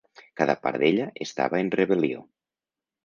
Cada part d'ella estava en rebel·lió.